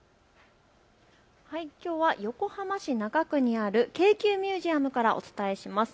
きょうは横浜市中区にある京急ミュージアムからお伝えします。